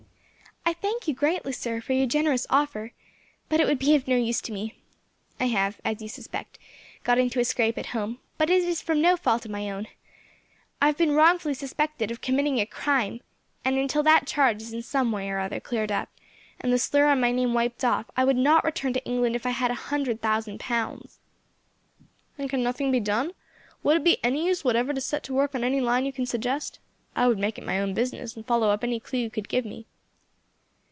"I thank you greatly, sir, for your generous offer, but it would be of no use to me. I have, as you suspect, got into a scrape at home, but it is from no fault of my own. I have been wrongfully suspected of committing a crime; and until that charge is in some way or other cleared up, and the slur on my name wiped off, I would not return to England if I had a hundred thousand pounds." "And can nothing be done? Would it be any use whatever to set to work on any line you can suggest? I would make it my own business, and follow up any clue you could give me."